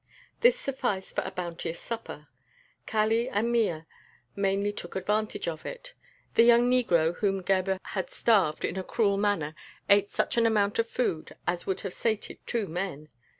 This sufficed for a bounteous supper. Kali and Mea mainly took advantage of it. The young negro whom Gebhr had starved in a cruel manner ate such an amount of food as would have sated two men.